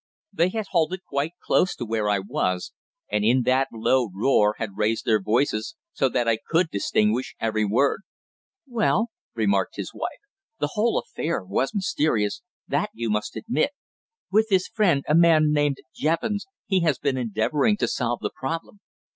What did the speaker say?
They had halted quite close to where I was, and in that low roar had raised their voices so that I could distinguish every word. "Well," remarked his wife, "the whole affair was mysterious, that you must admit. With his friend, a man named Jevons, he has been endeavouring to solve the problem."